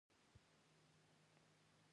ژبه د خوند د حس کولو لپاره ځانګړي څکي لري